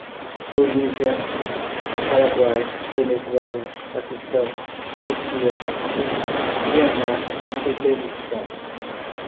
Bolívia, Paraguai, Venezuela, Paquistão, Turquia, Chile, Myanmar, Afeganistão